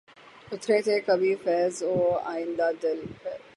اترے تھے کبھی فیضؔ وہ آئینۂ دل میں